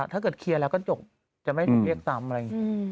ถ้าเกิดเคลียร์แล้วก็จบจะไม่ได้เรียกตามอะไร